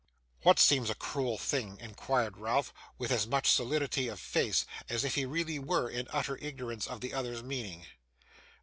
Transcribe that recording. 'What seems a cruel thing?' inquired Ralph, with as much stolidity of face, as if he really were in utter ignorance of the other's meaning.